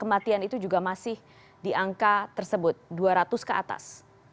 kematian itu juga masih di angka tersebut dua ratus ke atas